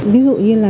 ví dụ như là